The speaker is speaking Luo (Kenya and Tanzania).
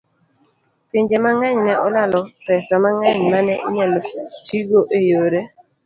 Pinje mang'eny ne olalo pesa mang'eny ma ne inyalo tigo e yore